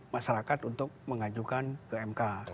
masyarakat untuk mengajukan ke mk